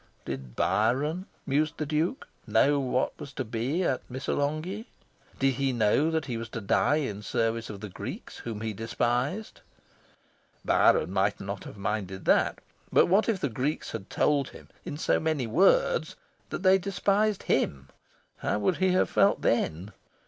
Did Byron, mused the Duke, know what was to be at Missolonghi? Did he know that he was to die in service of the Greeks whom he despised? Byron might not have minded that. But what if the Greeks had told him, in so many words, that they despised HIM? How would he have felt then?